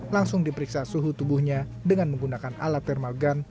langsung diperiksa suhu tubuhnya dengan menggunakan alat thermal gun